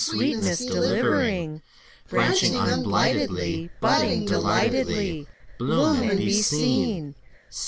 Sweetness delivering. Branching unblightedly, Budding delightedly. Bloom and be seen!